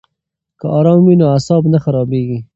که آرام وي نو اعصاب نه خرابیږي.